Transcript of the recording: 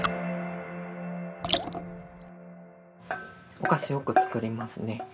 お菓子よく作りますね。